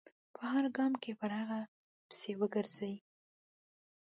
په هر ګام کې پر هغه پسې و ګرځي.